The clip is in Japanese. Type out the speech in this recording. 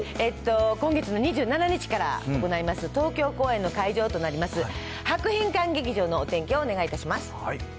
今月の２７日から行います、東京公演の会場となります、博品館劇場のお天気をお願いいたしま